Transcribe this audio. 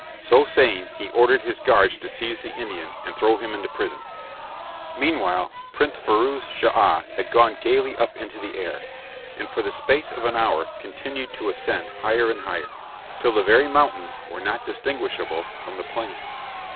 So saying, he ordered his guards to seize the Indian and throw him into prison. Meanwhile, Prince Firouz Schah had gone gaily up into the air, and for the space of an hour continued to ascend higher and higher, till the very mountains were not distinguishable from the plains.